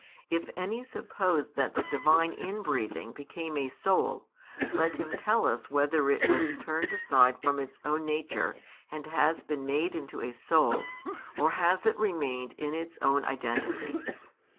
If any suppose that the Divine inbreathing became a soul, let him tell us whether it was turned aside from its own nature and has been made into a soul, or has it remained in its own identity?